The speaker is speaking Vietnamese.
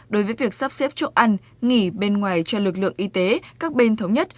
đối với việc sắp xếp chỗ ăn nghỉ bên ngoài cho lực lượng y tế các bên thống nhất